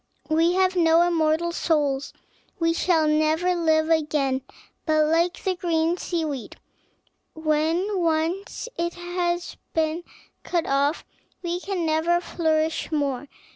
We have not immortal souls, we shall never live again; but, like the green sea weed, when once it has been cut off, we can never flourish more.